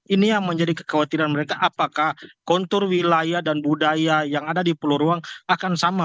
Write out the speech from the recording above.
ini yang menjadi kekhawatiran mereka apakah kontur wilayah dan budaya yang ada di pulau ruang akan sama